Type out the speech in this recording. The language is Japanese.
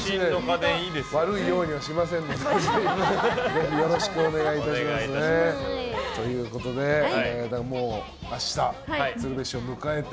悪いようにはしませんのでよろしくお願いいたしますね。ということで明日、鶴瓶師匠を迎えて。